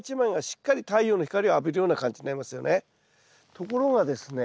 ところがですね